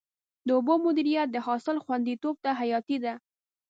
د اوبو مدیریت د حاصل خوندیتوب ته حیاتي دی.